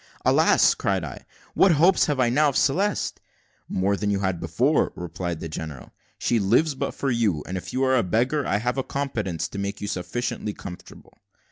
"Alas!" cried I, "what hopes have I now of Celeste?" "More than you had before," replied the general. "She lives but for you; and if you are a beggar, I have a competence to make you sufficiently comfortable."